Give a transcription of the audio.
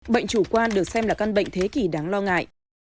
bệnh chủ quan được xem là căn bệnh thế kỷ đáng lo ngại